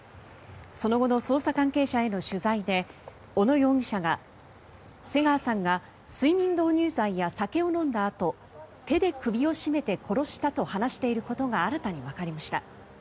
その後の捜査関係者への取材で小野容疑者が瀬川さんが睡眠導入剤や酒を飲んだあと手で首を絞めて殺したと話していることが新たにわかりました。